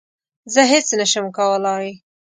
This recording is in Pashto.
زه هیڅ نه شم کولای